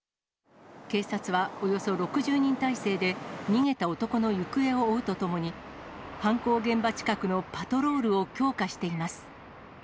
警察はおよそ６０人態勢で、逃げた男の行方を追うとともに、犯行現場近くのパトロールを強化しています。